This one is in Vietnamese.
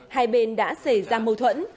hai bên đã xảy ra mâu thuẫn